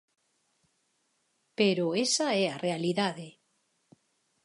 Pero esa é a realidade.